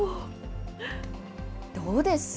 どうです？